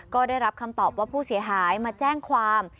ก็ได้รับคำตอบว่าผู้เสียหายมาแจ้งความ